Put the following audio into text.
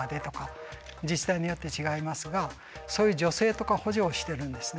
自治体によって違いますがそういう助成とか補助をしてるんですね。